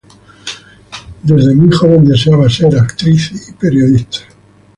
Desde muy joven deseaba ser actriz y periodista.